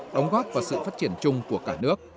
đóng góp vào sự phát triển chung của cả nước